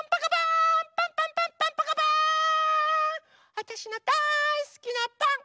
わたしのだいすきなパン！